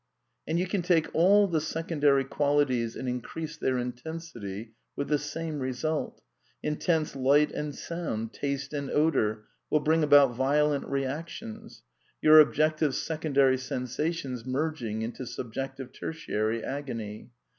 And you can take all the secondary qualities and in crease their intensity with the same result. Intense light and sound, taste and odour will bring about violent re actions, your objective secondary sensations merging into subjective tertiary agony.